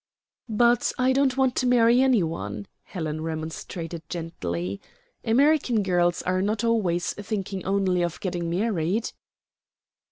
"But I don't want to marry any one," Helen remonstrated gently. "American girls are not always thinking only of getting married."